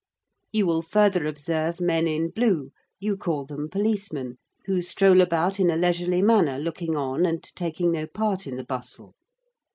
You will further observe men in blue you call them policemen who stroll about in a leisurely manner looking on and taking no part in the bustle.